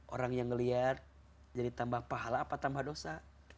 orang yang ngelihat jadi tambah pahala apa tambah dosa